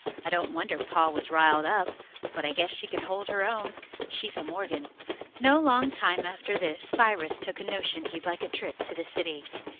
"I don't wonder Pa was riled up. But I guess she can hold her own. She's a Morgan." No long time after this Cyrus took a notion he'd like a trip to the city.